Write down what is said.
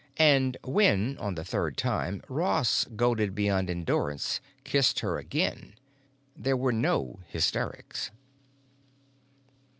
And when, on the third time, Ross, goaded beyond endurance, kissed her again, there were no hysterics.